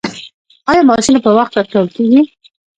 آیا معاشونه په وخت ورکول کیږي؟